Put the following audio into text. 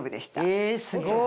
えすごい。